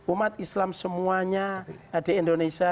umat islam semuanya di indonesia